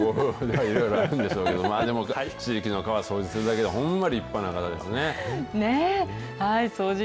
そうですね、ご夫婦でいろいろあるんでしょうけども、でも、地域の川、掃除するだけでもほんま立派な方ですね。